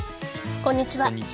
こんにちは。